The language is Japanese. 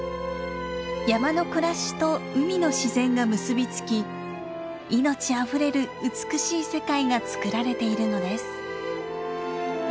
山の暮らしと海の自然が結び付き命あふれる美しい世界が作られているのです。